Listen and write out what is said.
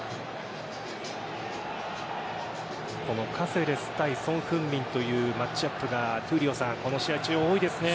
このカセレス対ソン・フンミンというマッチアップがこの試合中、多いですね。